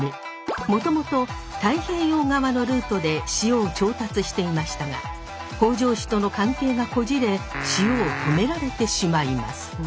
もともと太平洋側のルートで塩を調達していましたが北条氏との関係がこじれ塩を止められてしまいます。